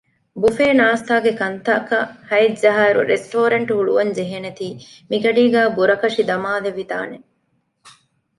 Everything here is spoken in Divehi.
ބުފޭ ނާސްތާގެ ކަންތަކަށް ހައެއް ޖަހާއިރު ރެސްޓޯރެންޓު ހުޅުވަން ޖެހޭނޭތީ މިގަޑީގައި ބުރަކަށި ދަމާލެވިދާނެ